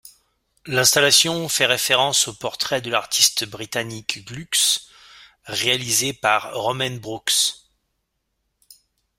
L'installation fait référence au portrait de l'artiste britannique Glucks réalisé par Romaine Brooks.